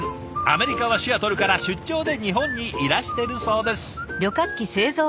アメリカはシアトルから出張で日本にいらしてるそうです。